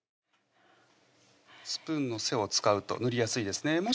スプーンの背を使うと塗りやすいですね